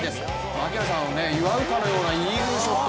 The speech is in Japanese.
槙原さんを祝うかのようなイーグルショット。